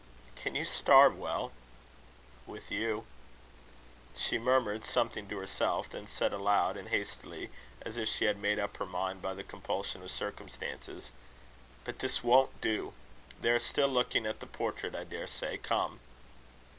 "Can you starve well?" "With you." She murmured something to herself; then said aloud and hastily, as if she had made up her mind by the compulsion of circumstances: "But this won't do. They are still looking at the portrait, I daresay. Come."